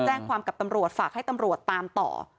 แจ้งความกับตำรวจฝากให้ตำรวจตามต่อ